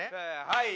はい！